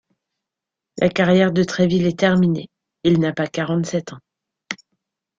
La carrière de Tréville est terminée, il n’a pas quarante-sept ans.